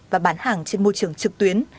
và bán hàng trên môi trường trực tuyến